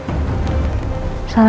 ini tidak ada